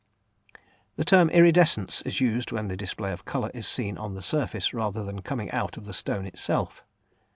The term "iridescence" is used when the display of colour is seen on the surface, rather than coming out of the stone itself.